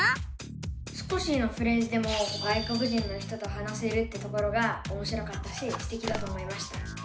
少しのフレーズでも外国人の人と話せるってところがおもしろかったしステキだと思いました。